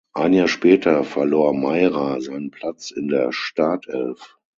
Ein Jahr später verlor Meira seinen Platz in der Startelf.